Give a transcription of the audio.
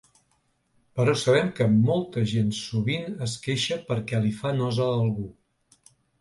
Però sabem que molta gent sovint es queixa perquè li fa nosa algú.